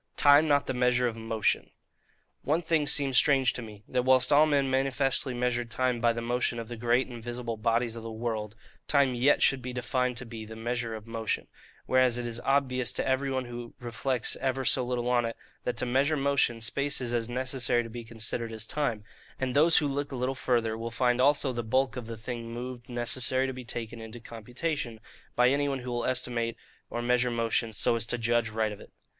Time not the Measure of Motion One thing seems strange to me,—that whilst all men manifestly measured time by the motion of the great and visible bodies of the world, time yet should be defined to be the 'measure of motion': whereas it is obvious to every one who reflects ever so little on it, that to measure motion, space is as necessary to be considered as time; and those who look a little farther will find also the bulk of the thing moved necessary to be taken into the computation, by any one who will estimate or measure motion so as to judge right of it.